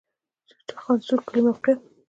د چخانسور کلی موقعیت